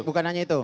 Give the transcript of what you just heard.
bukan hanya itu